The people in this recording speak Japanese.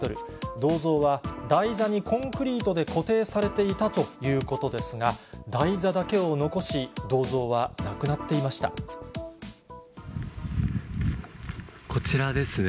銅像は台座にコンクリートで固定されていたということですが、台座だけを残し、こちらですね。